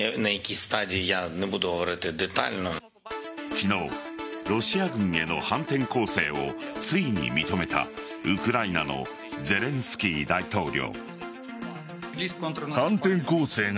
昨日、ロシア軍への反転攻勢をついに認めたウクライナのゼレンスキー大統領。